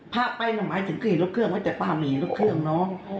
ผักไปหมายถึงเหยียบครั้งเดียวแต่ป้าเหยียบครั้งน้อง